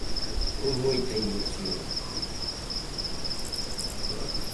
Con moita ilusión.